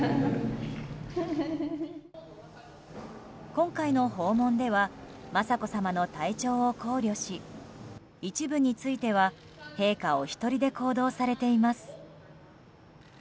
今回の訪問では雅子さまの体調を考慮し一部については陛下お一人で行動されています。